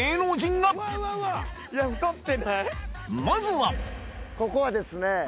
まずはここはですね